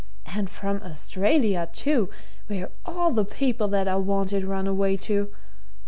And from Australia, too! where all the people that are wanted run away to!